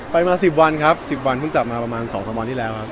ไปมาสิบวันครับสิบวันเพิ่งกลับมาประมาณสองสามวันที่แล้วครับ